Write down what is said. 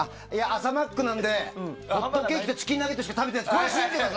朝マックなのでホットケーキとチキンナゲットしか食べてないです。